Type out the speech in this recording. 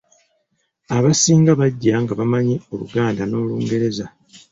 Abasinga bajja nga bamanyi Oluganda n’Olungereza.